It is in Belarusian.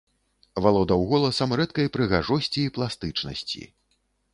Валодаў голасам рэдкай прыгажосці і пластычнасці.